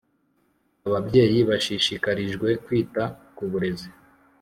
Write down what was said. ababyeyi bashishikarijwe kwita ku burezi